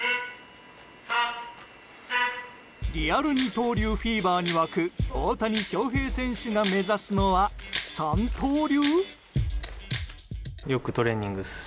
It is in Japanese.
リアル二刀流フィーバーに沸く大谷翔平選手が目指すのは三刀流？